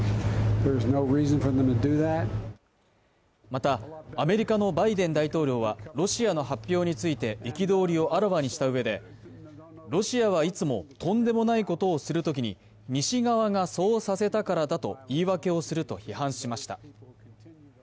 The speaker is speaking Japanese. また、アメリカのバイデン大統領はロシアの発表について憤りをあらわにしたうえで、ロシアはいつもとんでもないことをするときに西側がそうさせたからだと言い訳をすると批判しました。